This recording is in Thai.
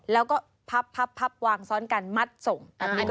แล้วก็พับวางซ้อนกันมัดส่ง